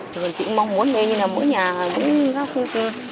chị cũng mong muốn như là mỗi nhà cũng rác khô khô